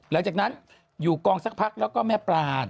หลังจากนั้นอยู่กองสักพักแล้วก็แม่ปลา